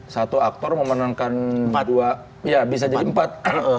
satu aktor memenangkan dua ya bisa jadi empat